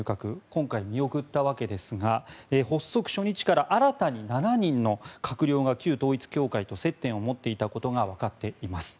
今回、見送ったわけですが発足初日から新たに７人の閣僚が旧統一教会と接点を持っていたことがわかっています。